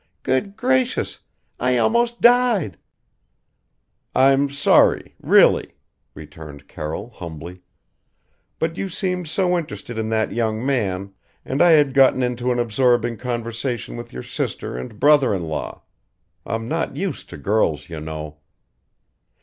Good gracious! I almost died!" "I'm sorry really," returned Carroll humbly "But you seemed so interested in that young man and I had gotten into an absorbing conversation with your sister and brother in law. I'm not used to girls, you know."